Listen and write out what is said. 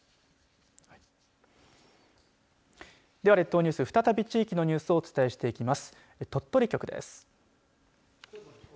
では、列島ニュース再び地域のニュースをお伝えしていきます。